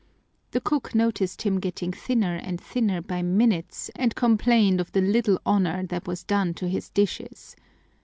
The cook noticed him getting thinner and thinner by minutes and complained of the little honor that was done to his dishes.